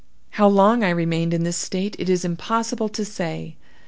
"How long I remained in this state it is impossible to say.